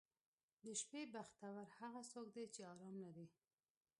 • د شپې بختور هغه څوک دی چې آرام لري.